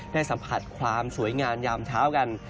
สัมผัสความสวยงามยามเช้ากัน